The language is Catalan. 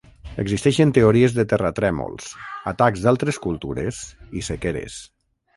Existeixen teories de terratrèmols, atacs d'altres cultures i sequeres.